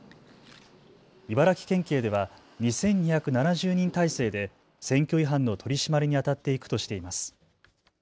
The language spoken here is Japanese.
茨城県警では２２７０人態勢で選挙違反の取締りにあたっていくとしています。